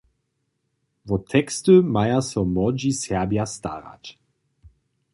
Wo teksty maja so młodźi Serbja starać.